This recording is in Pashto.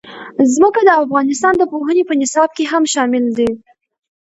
ځمکه د افغانستان د پوهنې په نصاب کې هم شامل دي.